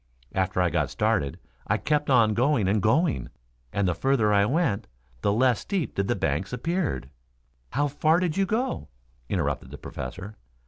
After I got started I kept on going and going, and the further I went the less steep did the banks appeared " "How far did you go?" interrupted the Professor.